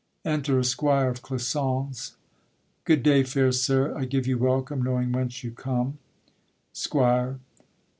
Enter a Squire of Clisson's. Good day, fair sir, I give you welcome, knowing whence you come. SQUIRE.